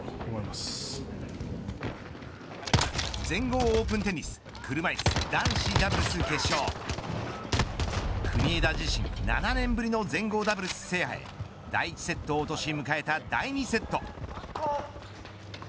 全豪オープンテニス車いす男子ダブルス決勝国枝自身７年ぶりの全豪ダブルス制覇へ第１セットを落とし迎えた第２セット。